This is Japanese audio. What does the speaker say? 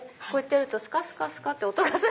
こうやるとスカスカって音が。